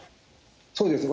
そうですね。